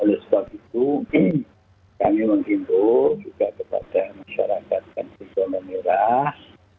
oleh sebab itu kami mengimbau juga kepada masyarakat yang bisa menerah